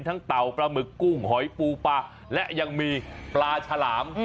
เต่าปลาหมึกกุ้งหอยปูปลาและยังมีปลาฉลาม